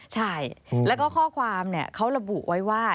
ใช่แล้วก็ข้อความเขาระบุไว้ว่า